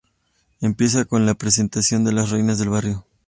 Empiezan con la presentación de las Reinas del Barrio.